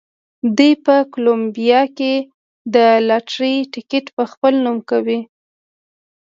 دوی په کولمبیا کې د لاټرۍ ټکټ په خپل نوم کوي.